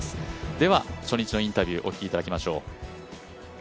では、初日のインタビューお聞きいただきましょう。